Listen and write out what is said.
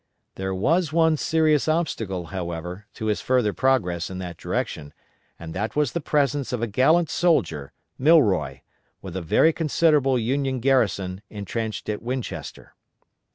There was one serious obstacle, however, to his further progress in that direction, and that was the presence of a gallant soldier, Milroy, with a very considerable Union garrison intrenched at Winchester.